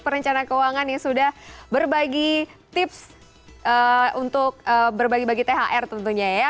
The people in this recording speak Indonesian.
perencana keuangan yang sudah berbagi tips untuk berbagi bagi thr tentunya ya